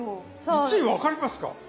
１位分かりますか？